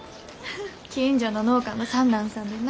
近所の農家の三男さんでな。